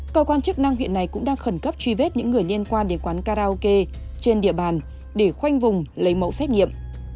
cơ quan chức năng huyện này cũng đang khẩn cấp truy vết những người liên quan đến quán karaoke trên địa bàn để khoanh vùng lấy mẫu xét nghiệm